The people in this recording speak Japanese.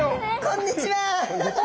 こんにちは。